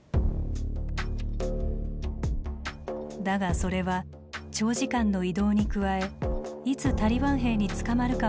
だがそれは長時間の移動に加えいつタリバン兵に捕まるか分からない